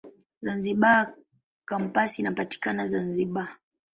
Zanzibar Kampasi inapatikana Zanzibar.